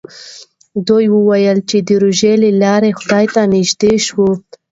ده وویل چې د روژې له لارې خدای ته نژدې شوی.